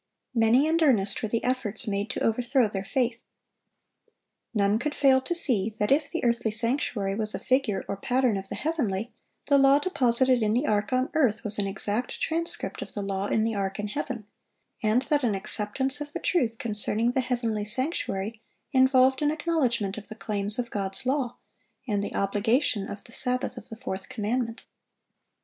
Many and earnest were the efforts made to overthrow their faith. None could fail to see that if the earthly sanctuary was a figure or pattern of the heavenly, the law deposited in the ark on earth was an exact transcript of the law in the ark in heaven; and that an acceptance of the truth concerning the heavenly sanctuary involved an acknowledgment of the claims of God's law, and the obligation of the Sabbath of the fourth commandment.